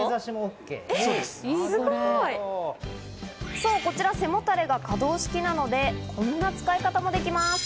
そう、こちら背もたれが可動式なので、こんな使い方もできます。